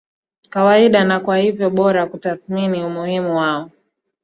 kawaida na kwa hivyo bora kutathmini umuhimu wao